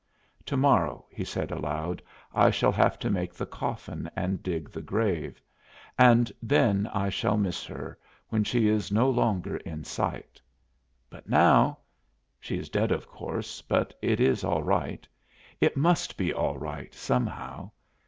"To morrow," he said aloud, "I shall have to make the coffin and dig the grave; and then I shall miss her, when she is no longer in sight; but now she is dead, of course, but it is all right it must be all right, somehow.